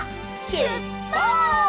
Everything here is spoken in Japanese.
しゅっぱつ！